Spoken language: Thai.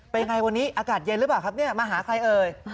เป็นยังไงวันนี้อากาศเย็นหรือเปล่าครับเนี่ยมาหาใครเอ่ย